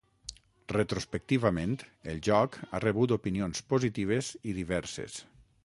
Retrospectivament, el joc ha rebut opinions positives i diverses.